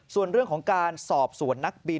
ส่วนเรื่องของการสอบสวนนักบิน